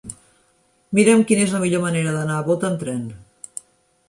Mira'm quina és la millor manera d'anar a Bot amb tren.